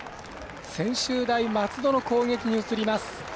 専修大松戸の攻撃に移ります。